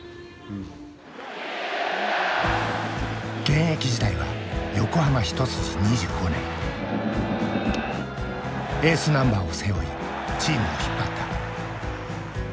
現役時代はエースナンバーを背負いチームを引っ張った。